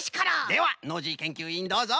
ではノージーけんきゅういんどうぞ。